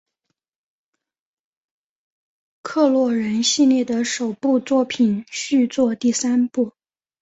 洛克人系列的首部作品续作第三部。